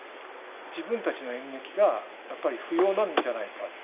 自分たちの演劇が、やっぱり不要なんじゃないか。